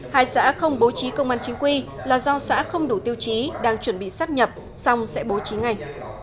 hai xã không bố trí công an chính quy là do xã không đủ tiêu chí đang chuẩn bị sắp nhập xong sẽ bố trí ngay